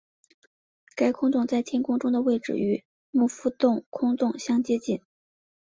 该空洞在天空中的位置与牧夫座空洞相接近。